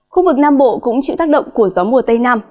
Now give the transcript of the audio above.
khu vực nam bộ cũng chịu tác động của gió mùa tây nam